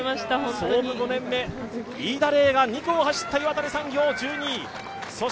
創部５年目、飯田怜が２区を走った岩谷産業、１２位。